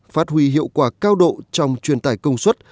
phát huy hiệu quả cao độ trong truyền tải công suất